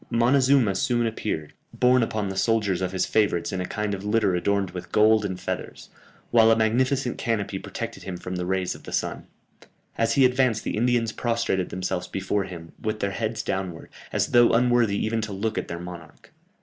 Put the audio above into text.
Montezuma soon appeared, borne upon the shoulders of his favourites in a kind of litter adorned with gold and feathers, while a magnificent canopy protected him from the rays of the sun. As he advanced the Indians prostrated themselves before him, with their heads downwards, as though unworthy even to look at their monarch.